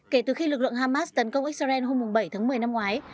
kể từ khi lực lượng hamas tấn công israel hôm bảy tháng một mươi năm ngoái